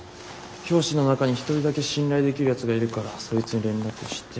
教師の中に１人だけ信頼できるやつがいるからそいつに連絡してみて。